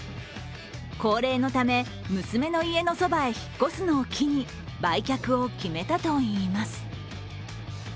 高齢のため、娘の家のそばへ引っ越すのを機に売却を決めたといいます。